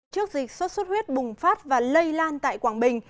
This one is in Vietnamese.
trước dịch sốt xuất huyết bùng phát và lây lan tại quảng bình